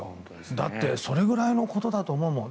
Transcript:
だってそれくらいのことだと思うもん。